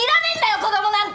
子供なんか！